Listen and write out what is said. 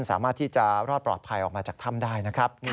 สามารถที่จะรอดปลอดภัยออกมาจากถ้ำได้นะครับ